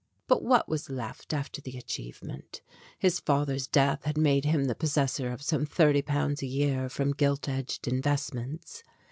But what was left after the achievement? His father's death had made him the possessor of some thirty pounds a year from gilt edged investments.